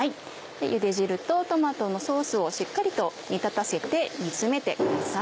ゆで汁とトマトのソースをしっかりと煮立たせて煮つめてください。